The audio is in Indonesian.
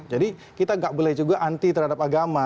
jadi kita nggak boleh juga anti terhadap agama